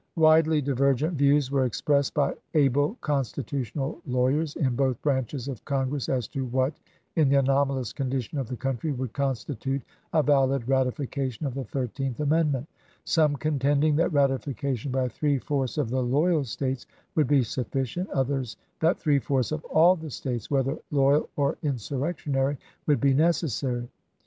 Widely divergent views were expressed by able constitutional lawyers in both branches of Con gress as to what, in the anomalous condition of the country, would constitute a valid ratification of the Thirteenth Amendment ; some contending that rati fication by three fourths of the loyal States would be sufficient, others that three fourths of all the States, whether loyal or insurrectionary, would be necessary.